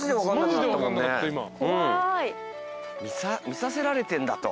見させられてんだと。